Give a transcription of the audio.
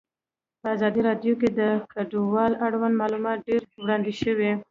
په ازادي راډیو کې د کډوال اړوند معلومات ډېر وړاندې شوي.